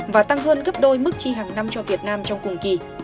và tăng hơn gấp đôi mức chi hàng năm cho việt nam trong cùng kỳ